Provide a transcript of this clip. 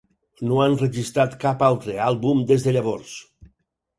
No ha enregistrat cap altre àlbum des de llavors.